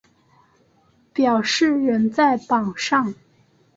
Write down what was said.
表示仍在榜上